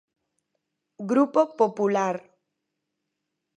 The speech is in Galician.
Grupo Popular.